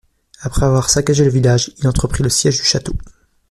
Après avoir saccagé le village, il entreprit le siège du Château.